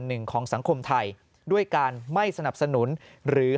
หนึ่งของสังคมไทยด้วยการไม่สนับสนุนหรือ